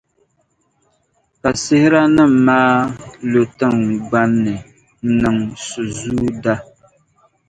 Ka sihiranim’ maa lu tiŋgbani ni n-niŋ suzuuda.